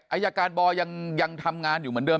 อายการบอยยังทำงานอยู่เหมือนเดิ